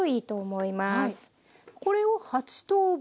これを８等分。